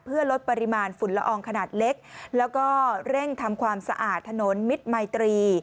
เพื่อลดปริมาณฝุ่นละอองขนาดเล็กแล้วก็เร่งทำความสะอาดถนนมิตรมัยตรี